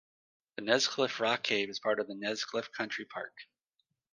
The Nesscliffe Rock Cave is part of the Nesscliffe Country Park.